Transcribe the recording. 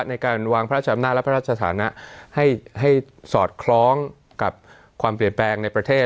ในการวางพระราชอำนาจและพระราชฐานะให้สอดคล้องกับความเปลี่ยนแปลงในประเทศ